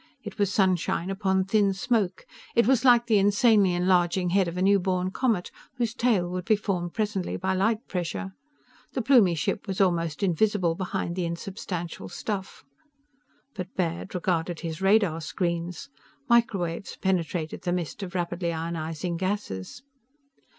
It was sunshine upon thin smoke. It was like the insanely enlarging head of a newborn comet, whose tail would be formed presently by light pressure. The Plumie ship was almost invisible behind the unsubstantial stuff. But Baird regarded his radar screens. Microwaves penetrated the mist of rapidly ionizing gases.